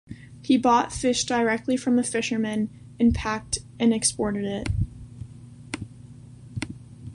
He bought fish directly from the fishermen, and packed and exported it.